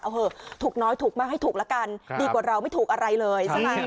เอาเถอะถูกน้อยถูกมากให้ถูกละกันดีกว่าเราไม่ถูกอะไรเลยใช่ไหม